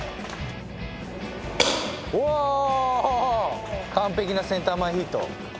おお完璧なセンター前ヒット。